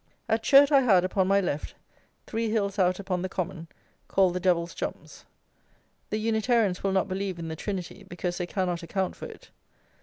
At Churt I had, upon my left, three hills out upon the common, called the Devil's Jumps. The Unitarians will not believe in the Trinity, because they cannot account for it.